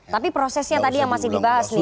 tapi prosesnya tadi yang masih dibahas nih